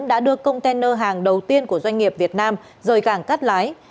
đã được container hàng đầu tiên của doanh nghiệp việt nam rời cảng cắt lái